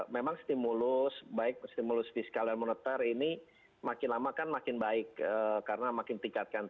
memang stimulus baik stimulus fiskal dan moneter ini makin lama kan makin baik karena makin tingkatkan